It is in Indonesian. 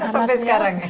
sampai sekarang ya